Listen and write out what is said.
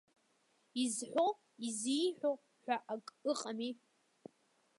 Изҳәо изиҳәо ҳәа акы ыҟами!